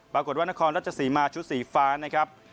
ปรากฏว่านครราชศรีมาชุดสีฟ้านะครับ